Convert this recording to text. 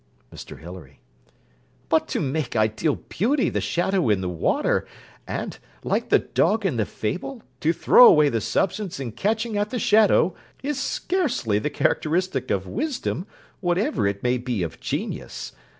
MR HILARY But to make ideal beauty the shadow in the water, and, like the dog in the fable, to throw away the substance in catching at the shadow, is scarcely the characteristic of wisdom, whatever it may be of genius.